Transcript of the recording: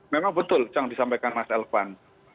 memang betul yang disampaikan mas elvan